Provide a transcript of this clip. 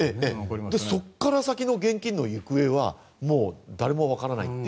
そこから先の現金の行方はもう誰にも分からない。